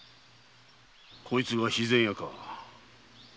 こいつが肥前屋か。